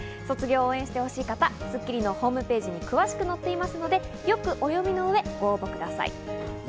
卒業を応援してほしい方、『スッキリ』のホームページに詳しく載っていますので、よくお読みの上、ご応募ください。